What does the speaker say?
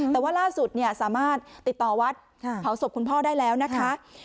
แต่ว่าล่าสุดสามารถติดต่อวัดเผาศพคุณพ่อได้แล้วนะคะ